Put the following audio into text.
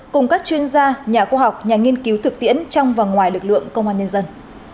cùng các chuyên gia nhà khoa học nhà nghiên cứu thực tiễn trong và ngoài lực lượng công an nhân dân